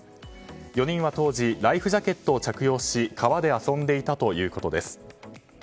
４人は当時ライフジャケットを着用し川で遊んでいたということです。